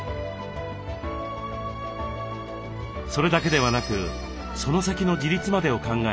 それだけではなくその先の自立までを考え